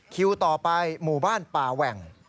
คิวต่อไปหมู่บ้านป่าแหว่ง